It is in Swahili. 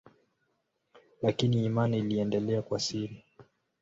Lakini imani iliendelea kwa siri.